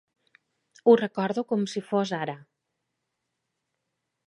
Ho recordo com si fos ara.